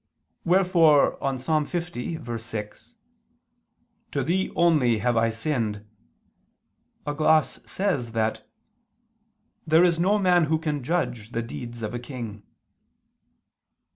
Wherefore on Ps. 50:6: "To Thee only have I sinned," a gloss says that "there is no man who can judge the deeds of a king."